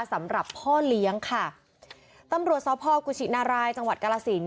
สำหรับพ่อเลี้ยงค่ะตำรวจสพกุชินารายจังหวัดกาลสิน